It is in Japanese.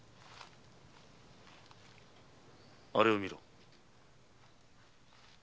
あれを見ろ。